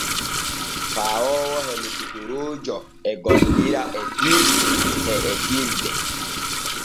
Paawoowo e lokotoroojo e gollira etirɗi e etirde.